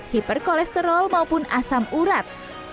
hiperkolesterol maupun asam urat